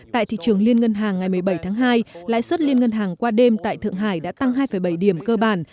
tại thị trường liên ngân hàng ngày một mươi bảy tháng hai lãi suất liên ngân hàng qua đêm tại thượng hải đã tăng hai bảy điểm cơ bản